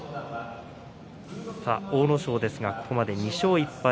阿武咲はここまで２勝１敗。